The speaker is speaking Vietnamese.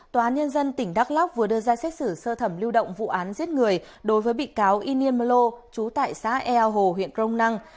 tòa án nhân dân tỉnh đắk lóc vừa đưa ra xét xử sơ thẩm lưu động vụ án giết người đối với bị cáo inimlo chú tại xã eo hồ huyện crong năng